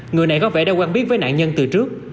người này có vẻ đã quen biết với nạn nhân từ trước